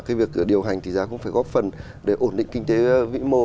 cái việc điều hành thì ra cũng phải góp phần để ổn định kinh tế vĩ mô